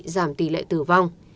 giảm tỷ lệ tử vong